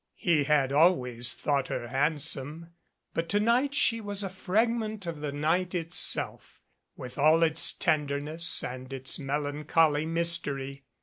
He had always thought her handsome, but to night she was a fragment of the night itself, with all its tender ness and its melancholy mystery.